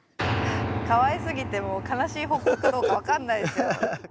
かわいすぎてもう悲しい報告かどうか分かんないですよ。